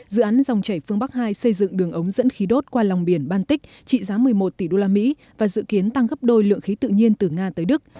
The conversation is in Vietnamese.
dự án dòng chảy phương bắc hai xây dựng đường ống dẫn khí đốt qua lòng biển baltic trị giá một mươi một tỷ usd và dự kiến tăng gấp đôi lượng khí tự nhiên từ nga tới đức